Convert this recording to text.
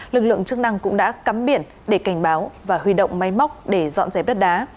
lực lượng chức năng cũng đã cắm biển để cảnh báo và huy động máy móc để dọn dẹp đất đá